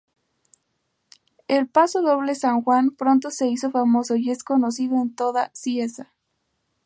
El pasodoble San Juan pronto se hizo famoso y es conocido en toda Cieza.